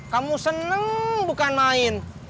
kamu seneng bukan main